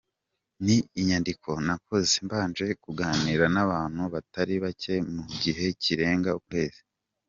Ni inyandiko nakoze mbanje kuganira n’abantu batari bake mu gihe kirenga ukwezi.